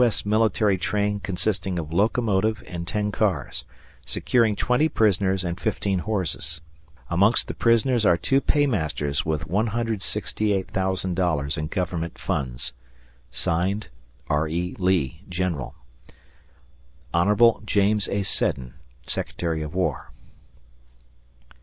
S. military train consisting of locomotive and ten cars, securing twenty prisoners and fifteen horses. Amongst the prisoners are two paymasters with $168,000 in Government funds. (Signed) R. E. Lee, General. Hon. James A. Seddon, Secretary of War.